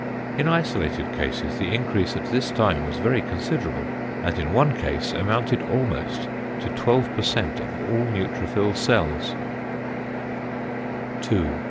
In isolated cases the increase at this time was very considerable; and in one case amounted almost to 12% of all neutrophil cells.